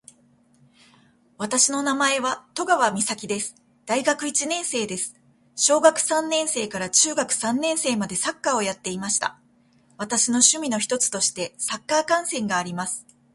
私の名前は登川岬です。大学一年生です。小学三年生から中学三年生までサッカーをやっていました。私の趣味の一つとしてサッカー観戦があります。一番好きなサッカーチームは、アーセナルです。